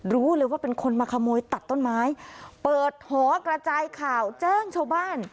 รู้เลยว่าเป็นคนมาขโมยตัดต้นไม้เปิดหอกระจายข่าวแจ้งชาวบ้าน